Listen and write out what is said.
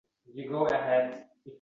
Birini boshqasi tan olmaydi.